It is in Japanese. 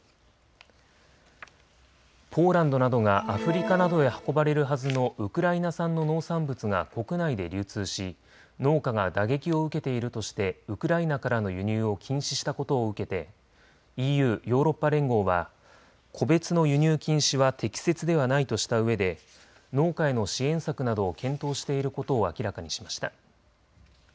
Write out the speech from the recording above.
ポーランドなどがアフリカなどへ運ばれるはずのウクライナ産の農産物が国内で流通し農家が打撃を受けているとしてウクライナからの輸入を禁止したことを受けてＥＵ・ヨーロッパ連合は個別の輸入禁止は適切ではないとしたうえで農家への支援策などを検討していることを明らかにしました。